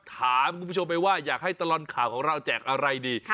ถามคุณผู้ชมไปว่าอยากให้ตลอดข่าวของเราแจกอะไรดี